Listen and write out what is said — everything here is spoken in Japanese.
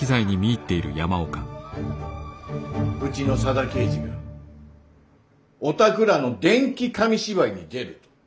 うちの佐田啓二がお宅らの電気紙芝居に出る？